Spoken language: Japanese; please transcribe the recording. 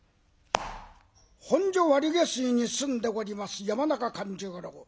本所割下水に住んでおります山中勘十郎。